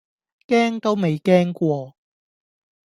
驚都未驚過